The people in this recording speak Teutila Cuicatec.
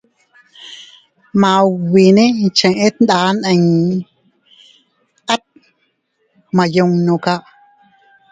Maubi nee cheʼe tndaa nni atte gmaayunnu kaa.